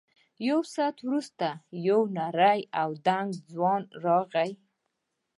یو ساعت وروسته یو نری او دنګ ځوان راغی.